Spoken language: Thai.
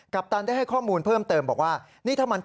ปตันได้ให้ข้อมูลเพิ่มเติมบอกว่า